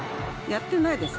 やってないです。